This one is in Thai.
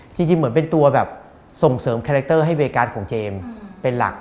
จริงเหมือนเป็นตัวแบบส่งเสริมคาแรคเตอร์ให้บริการของเจมส์เป็นหลัก